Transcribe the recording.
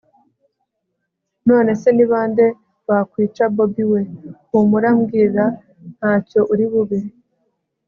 nonese nibande bakwica bobi we, humura mbwira ntacyo uri bube